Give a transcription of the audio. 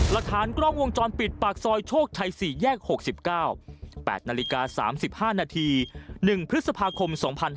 หลักฐานกล้องวงจรปิดปากซอยโชคชัย๔แยก๖๙๘นาฬิกา๓๕นาที๑พฤษภาคม๒๕๕๙